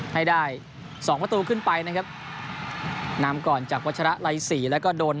ให้ได้สองประตูขึ้นไปนะครับนำก่อนจากวัชระไรศรีแล้วก็โดน